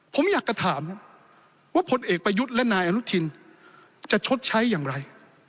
ผมอยากจะถามว่าพลเอกประยุทธ์และนายอนุทินจะชดใช้อย่างไร